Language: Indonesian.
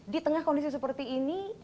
di tengah kondisi seperti ini